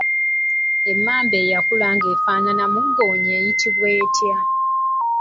Emmamba eyakula nga efaananamu ggoonya eyitibwa etya?